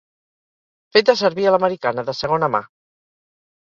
Feta servir a l'americana, de segona mà.